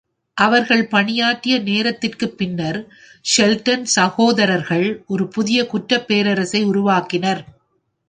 அவர்கள் பணியாற்றிய நேரதிற்குப் பின்னர், ஷெல்டன் சகோதரர்கள் ஒரு புதிய குற்றப் பேரரசை உருவாக்கினர்.